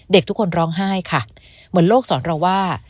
เด็กทุกคนร้องไห้ค่ะเหมือนโลกสอนเราว่า